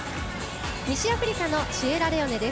西アフリカのシエラレオネです。